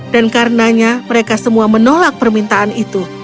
dan karenanya mereka semua menolak permintaan itu